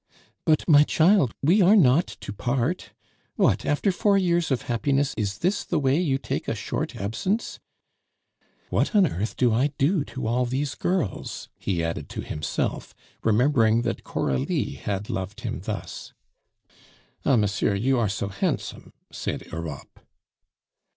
"But, my child, we are not to part. What, after four years of happiness, is this the way you take a short absence. What on earth do I do to all these girls?" he added to himself, remembering that Coralie had loved him thus. "Ah, monsieur, you are so handsome," said Europe.